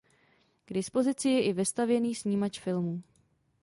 K dispozici je i vestavěný snímač filmů.